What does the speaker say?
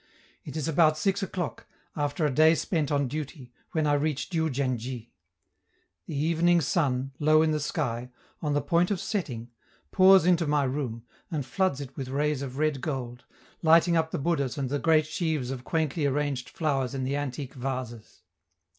It is about six o'clock, after a day spent on duty, when I reach Diou djen dji. The evening sun, low in the sky, on the point of setting, pours into my room, and floods it with rays of red gold, lighting up the Buddhas and the great sheaves of quaintly arranged flowers in the antique vases.